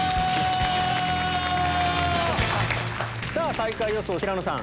最下位予想平野さん